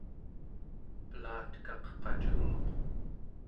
pelatekaq qacunguq